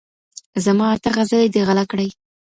زما اته غزلي دي غلا كړي